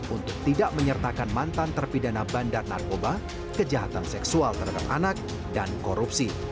untuk tidak menyertakan mantan terpidana bandar narkoba kejahatan seksual terhadap anak dan korupsi